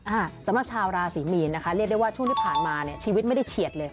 อ่าสำหรับชาวราศีมีนนะคะเรียกได้ว่าช่วงที่ผ่านมาเนี่ยชีวิตไม่ได้เฉียดเลย